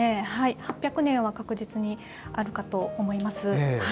８００年は確実にあるかと思います。